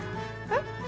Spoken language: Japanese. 「えっ？」